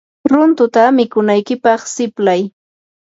runtuta mikunaykipaq siplay.